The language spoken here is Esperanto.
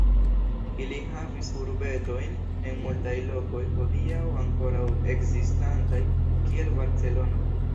Ili havis urbetojn en multaj lokoj hodiaŭ ankoraŭ ekzistantaj kiel Barcelono.